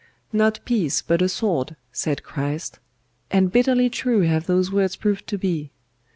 'Not peace but a sword,' said CHRIST; and bitterly true have those words proved to be.